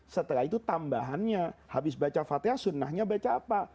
setelah itu tambahannya habis baca fatihah sunnahnya baca apa